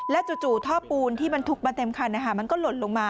จู่ท่อปูนที่บรรทุกมาเต็มคันมันก็หล่นลงมา